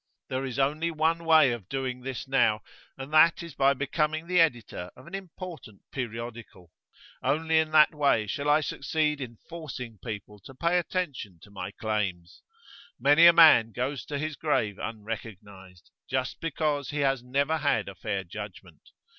There is only one way of doing this now, and that is by becoming the editor of an important periodical. Only in that way shall I succeed in forcing people to pay attention to my claims. Many a man goes to his grave unrecognised, just because he has never had a fair judgment.